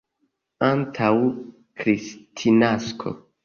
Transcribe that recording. Antaŭ Kristnasko.